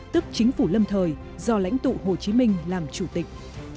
tức chính phủ lâm thời do lãnh tụ hồ chí minh làm chủ tịch